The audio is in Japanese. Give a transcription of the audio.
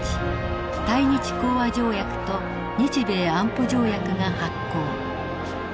対日講和条約と日米安保条約が発効。